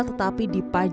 tetapi dipajaki beliau